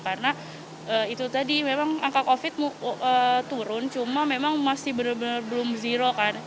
karena itu tadi memang angka covid sembilan belas turun cuma memang masih benar benar belum zero kan